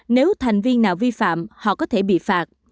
nếu thành viên nào vi phạm họ có thể bị phạt